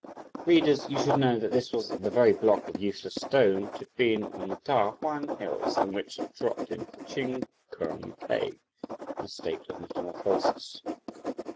Readers, you should know that this was the very block of useless stone which had been on the Ta Huang Hills, and which had dropped into the Ch'ing Keng cave, in a state of metamorphosis.